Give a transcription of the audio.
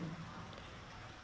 sama dengan beras